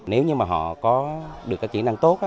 nếu như họ có được các kỹ năng tốt